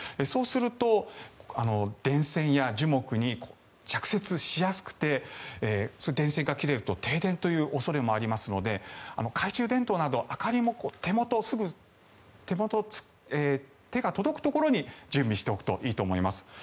そうすると、電線や樹木に着雪しやすくて電線が切れると停電の恐れもありますので懐中電灯など明かりも手が届くところに準備しておくといいと思います。